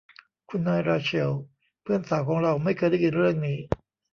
คุณนายราเชล เพื่อนสาวของเราไม่เคยได้ยินเรื่องนี้